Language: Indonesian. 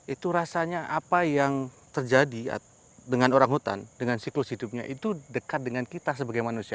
itu rasanya apa yang terjadi dengan orang hutan dengan siklus hidupnya itu dekat dengan kita sebagai manusia